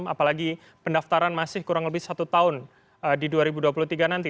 apalagi pendaftaran masih kurang lebih satu tahun di dua ribu dua puluh tiga nanti